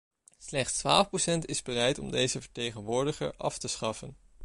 Slechts twaalf procent is bereid om deze vertegenwoordiger af te schaffen.